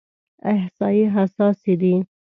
احصایې حساسې دي.